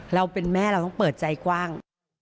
เราเป็นแม่เราต้องเปิดใจกว้าง